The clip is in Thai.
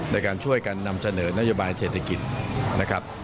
ในการช่วยกันนำเสนอนโยบายเศรษฐกิจนะครับ